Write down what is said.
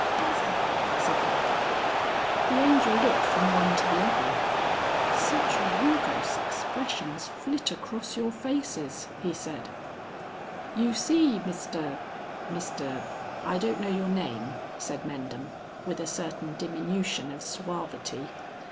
"Bother!" said the Vicar. The Angel looked from one to the other. "Such rugose expressions flit across your faces!" he said. "You see, Mr Mr I don't know your name," said Mendham, with a certain diminution of suavity.